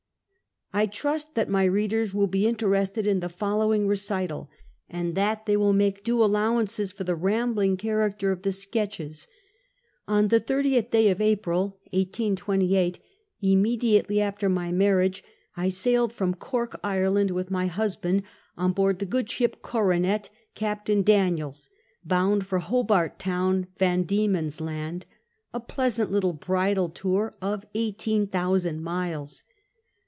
I trust that my readers will be interested in the following recital, and that they will make due allow ances for the rambling character of the sketches. On the 30th day of April, 1828, imme diately after my marriage, I sailed from Cork, Ireland, with my husband, on board the good ship Coronet, Captain Daniels, bound for Hobart Town, Van Diemen's Land, a pleasant little bridal tour of 18,000 miles.